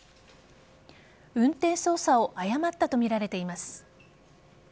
運転操作を誤ったとみられています。